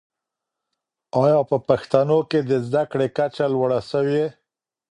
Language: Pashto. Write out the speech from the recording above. آیا په پښتنو کي د زده کړې کچه لوړه سوې؟